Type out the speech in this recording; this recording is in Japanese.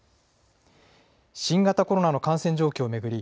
新型コロナの感染状況を巡り